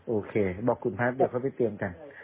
โอเคบอกคุณภาพเดี๋ยวเขาไปเตรียมกัน